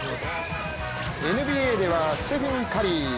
ＮＢＡではステフィン・カリー。